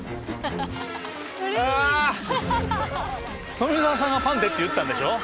富澤さんが「パンで」って言ったんでしょ？